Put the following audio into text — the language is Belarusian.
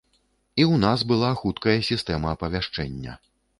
І ў нас была хуткая сістэма апавяшчэння.